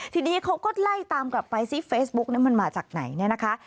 ทีนี้เขาก็ไล่ตามกลับไปซิเฟซบุ๊กนั้นมันมาจากไหนเนี่ยนะคะ